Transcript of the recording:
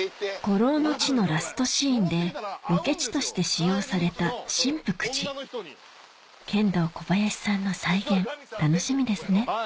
『孤狼の血』のラストシーンでロケ地として使用された真福寺ケンドーコバヤシさんの再現楽しみですね